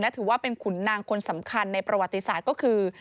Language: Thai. ถือว่าเป็นขุนนางคนสำคัญในประวัติศาสตร์ก็คือ